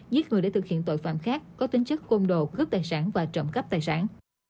giết người để thực hiện tội phạm khác có tính chất côn đồ cướp tài sản và trộm cắp tài sản